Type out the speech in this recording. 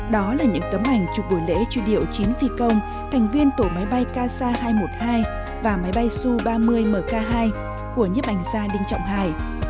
đó là những tấm ảnh chụp buổi lễ truy điệu chín phi công thành viên tổ máy bay kc hai trăm một mươi hai và máy bay su ba mươi mk hai của nhiếp ảnh gia đinh trọng hải